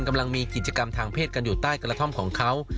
กำลังมีกิจกรรมทางเพศกันอยู่ใต้กระท่อมของเขา